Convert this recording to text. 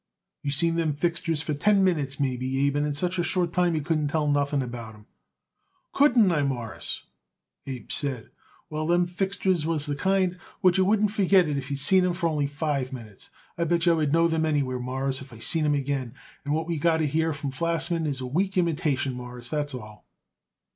"You seen them fixtures for ten minutes, maybe, Abe, and in such a short time you couldn't tell nothing at all about 'em." "Couldn't I, Mawruss?" Abe said. "Well, them fixtures was the kind what you wouldn't forget it if you seen 'em for only five minutes. I bet yer I would know them anywhere, Mawruss, if I seen them again, and what we got it here from Flachsman is a weak imitation, Mawruss. That's all."